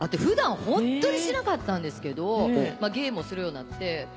普段ホントにしなかったんですけどゲームをするようになって。